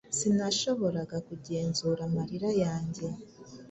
sinashoboraga kugenzura amarira yanjye